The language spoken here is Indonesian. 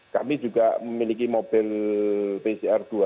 kami juga memiliki mobil pcr dua